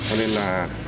cho nên là